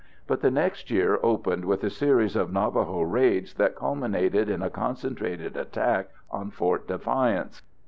But the next year opened with a series of Navajo raids that culminated in a concentrated attack on Fort Defiance.